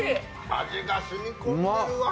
味が染み込んでるわ。